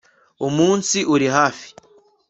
umunsi uri hafi